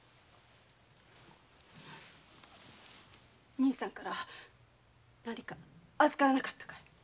兄さんから何か預からなかったかい？